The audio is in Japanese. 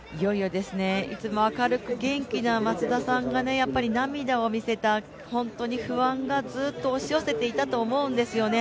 いつも明るく元気な松田さんが涙を見せた本当に不安がずっと押し寄せていたと思うんですよね。